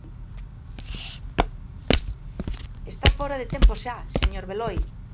Está fóra de tempo xa, señor Beloi.